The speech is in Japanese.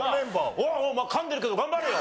おおおおかんでるけど頑張れよ！